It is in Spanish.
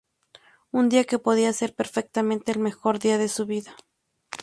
Un día que podía ser perfectamente el mejor día de su vida.